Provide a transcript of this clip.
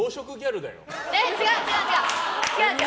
違う、違う。